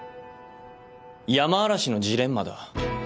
ヤマアラシのジレンマだ。